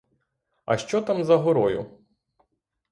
А що там за горою?